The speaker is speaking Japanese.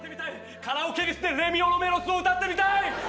カラオケリスでレミオロメロスを歌ってみたい！